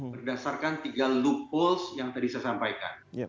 berdasarkan tiga loop pools yang tadi saya sampaikan